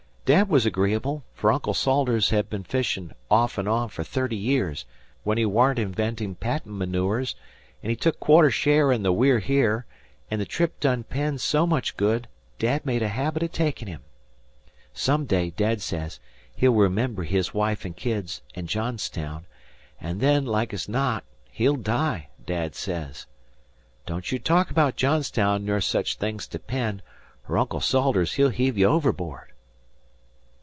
Dad was agreeable, fer Uncle Salters he'd been fishin' off an' on fer thirty years, when he warn't inventin' patent manures, an' he took quarter share in the We're Here; an' the trip done Penn so much good, Dad made a habit o' takin' him. Some day, Dad sez, he'll remember his wife an' kids an' Johnstown, an' then, like as not, he'll die, Dad sez. Don't ye talk abaout Johnstown ner such things to Penn, 'r Uncle Salters he'll heave ye overboard."